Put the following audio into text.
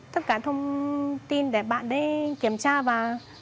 tất cả thông tin để bạn kiểm tra và